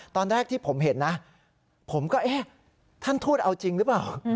ตอนแรกที่ผมเห็นนะผมก็เอ๊ะท่านทูตเอาจริงหรือเปล่า